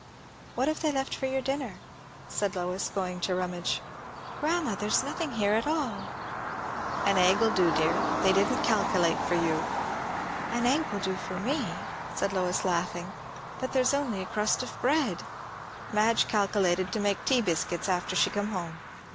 "What have they left for your dinner?" said Lois, going to rummage. "Grandma, here's nothing at all!" "An egg'll do, dear. They didn't calkilate for you." "An egg will do for me," said Lois, laughing; "but there's only a crust of bread." "Madge calkilated to make tea biscuits after she come home."